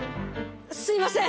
すいません。